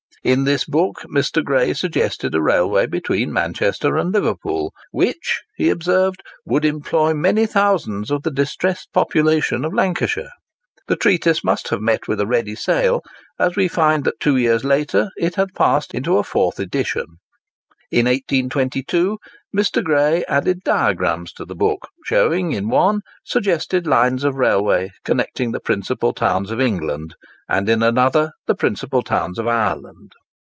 In this book Mr. Gray suggested a railway between Manchester and Liverpool, "which," he observed, "would employ many thousands of the distressed population of Lancashire." The treatise must have met with a ready sale, as we find that two years later it had passed into a fourth edition. In 1822 Mr. Gray added diagrams to the book, showing, in one, suggested lines of railway connecting the principal towns of England, and in another, the principal towns of Ireland.